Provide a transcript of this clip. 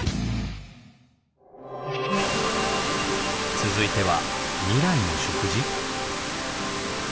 続いては未来の食事？